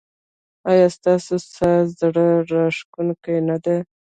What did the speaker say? ایا ستاسو ساز زړه راښکونکی نه دی؟